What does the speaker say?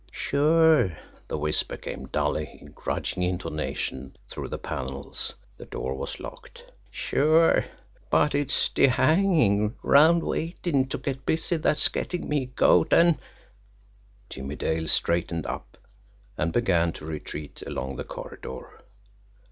"Sure" the whisper came dully, in grudging intonation through the panels the door was locked. "Sure, but it's de hangin' 'round waitin' to get busy that's gettin' me goat, an' " Jimmie Dale straightened up and began to retreat along the corridor.